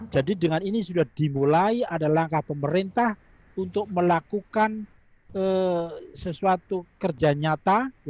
jadi dengan ini sudah dimulai ada langkah pemerintah untuk melakukan sesuatu kerja nyata